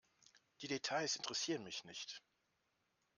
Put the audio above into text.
Die Details interessieren mich nicht.